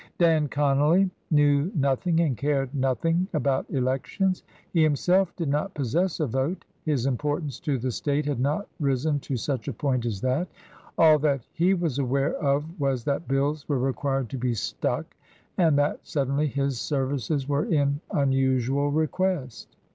Dan Conolly knew nothing and cared nothing about elections ; he himself did not possess a vote, his importance to the State had not risen to such a point as that ; all that he was aware of was that bills were required to be stuck, and that suddenly his services were in unusual request.